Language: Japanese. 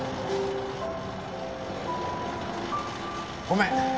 ごめん！